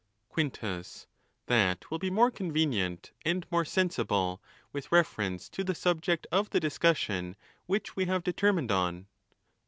Quintus.—That will be more convenient, and more sensible with reference to the subject of the discussion which we have. determined on.